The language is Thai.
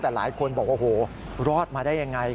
แต่หลายคนบอกโอ้โหรอดมาได้ยังไง